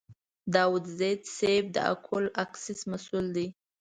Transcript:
داوودزی صیب د اکول اکسیس مسوول دی.